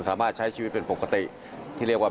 สามารถใช้ชีวิตเป็นปกติที่เรียกว่า